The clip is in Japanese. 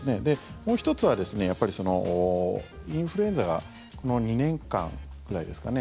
もう１つはやっぱりインフルエンザがこの２年間ぐらいですかね。